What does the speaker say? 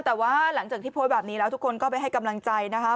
แต่ว่าหลังจากที่โพสต์แบบนี้แล้วทุกคนก็ไปให้กำลังใจนะคะ